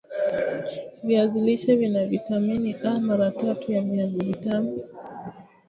viazi lishe vina vitamin A mara tatu ya viazi vitamu